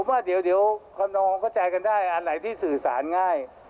ผมว่าเดี๋ยวคนนองเข้าใจกันได้อันไหนที่สื่อสารง่าย